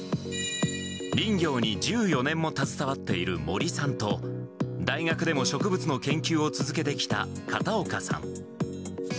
林業に１４年も携わっている森さんと、大学でも植物の研究を続けてきた片岡さん。